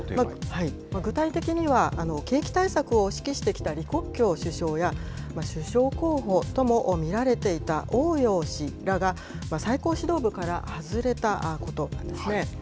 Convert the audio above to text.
具体的には、景気対策を指揮してきた李克強首相や、首相候補とも見られていた汪洋氏らが最高指導部から外れたことですね。